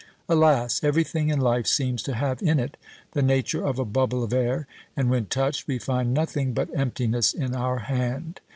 Alas! everything in life seems to have in it the nature of a bubble of air, and, when touched, we find nothing but emptiness in our hand.